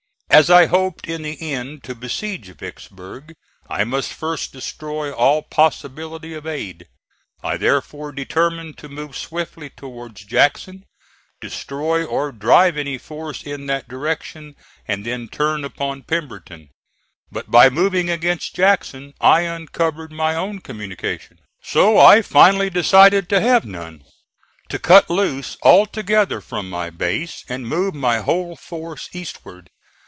As I hoped in the end to besiege Vicksburg I must first destroy all possibility of aid. I therefore determined to move swiftly towards Jackson, destroy or drive any force in that direction and then turn upon Pemberton. But by moving against Jackson, I uncovered my own communication. So I finally decided to have none to cut loose altogether from my base and move my whole force eastward.